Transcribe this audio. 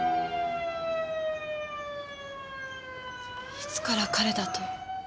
いつから彼だと？